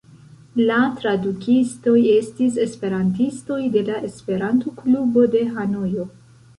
La tradukistoj estis esperantistoj de la Esperanto-klubo de Hanojo.